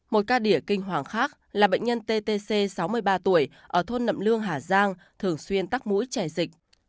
một ca đỉa kinh hoàng khác là bệnh nhân ttc sáu mươi ba tuổi ở thôn nậm lương hà giang thường xuyên tắc mũi trẻ dịch